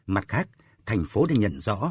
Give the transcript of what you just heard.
mặt khác thành phố đã nhận rõ